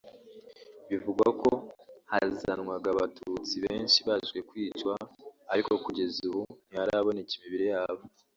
Bivugwa ko hazanwaga abatutsi benshi baje kwicwa ariko kugeza ubu ntiharaboneka imibiri yabo